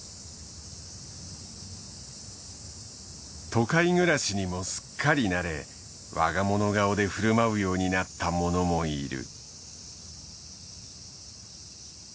都会暮らしにもすっかり慣れ我が物顔で振る舞うようになったものもいる。